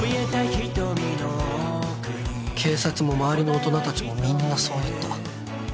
警察も周りの大人たちもみんなそう言った。